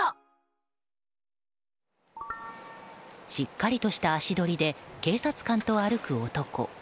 しっかりとした足取りで警察官と歩く男。